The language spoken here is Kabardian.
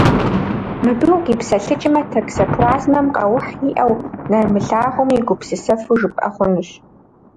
Мыбы укъипсэлъыкӏмэ, токсоплазмэм къаухь иӏэу, нэрымылъагъуми, гупсысэфу жыпӏэ хъунущ.